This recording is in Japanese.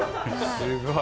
すごい。